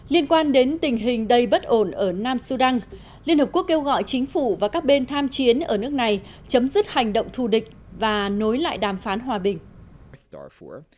liên quan đến tình hình đầy bất ổn ở nam sudan liên hợp quốc kêu gọi chính phủ và các bên tham chiến ở nước này chấm dứt hành động thù địch và nối lại đàm phán hòa bình